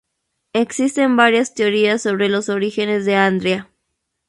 Existen varias teorías sobre los orígenes de Andria.